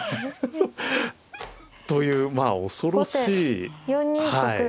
というまあ恐ろしいはい。